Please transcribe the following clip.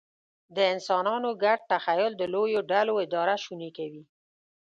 د انسانانو ګډ تخیل د لویو ډلو اداره شونې کوي.